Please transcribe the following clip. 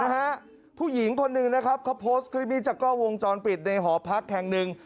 ผู้หญิงคนหนึ่งนะครับเขาโพสต์คลิปนี้จากกล้องวงจรปิดในหอพักแห่งหนึ่ง